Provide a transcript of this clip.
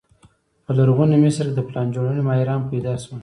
په لرغوني مصر کې د پلان جوړونې ماهران پیدا شول.